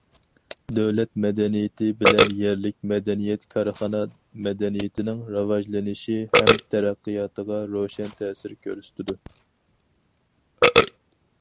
دۆلەت مەدەنىيىتى بىلەن يەرلىك مەدەنىيەت كارخانا مەدەنىيىتىنىڭ راۋاجلىنىشى ھەم تەرەققىياتىغا روشەن تەسىر كۆرسىتىدۇ.